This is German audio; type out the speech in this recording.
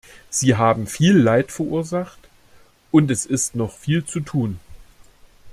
Sie haben viel Leid verursacht, und es ist noch viel zu tun.